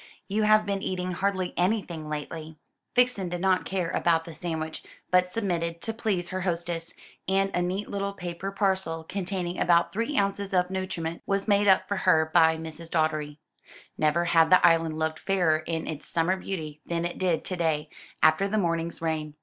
"You have been eating hardly anything lately." Vixen did not care about the sandwich, but submitted, to please her hostess, and a neat little paper parcel, containing about three ounces of nutriment, was made up for her by Mrs. Doddery. Never had the island looked fairer in its summer beauty than it did to day, after the morning's rain.